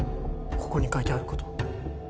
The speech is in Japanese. ここに書いてあること。